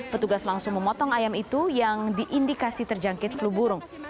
petugas langsung memotong ayam itu yang diindikasi terjangkit flu burung